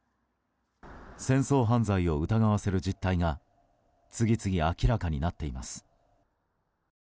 戦争犯罪を疑わせる実態が次々明らかになっています。